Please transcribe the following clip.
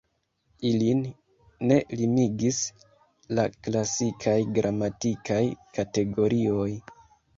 Ilin ne limigis la klasikaj gramatikaj kategorioj.